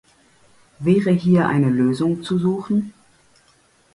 Wäre hier eine Lösung zu suchen?